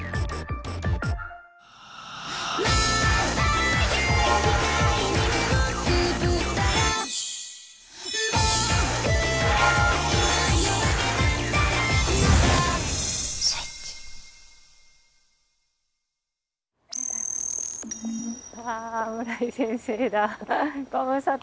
ああ村井先生だ。